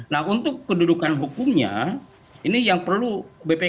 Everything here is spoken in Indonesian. nah untuk kedudukan hukumnya ini yang perlu bpkh lakukan adalah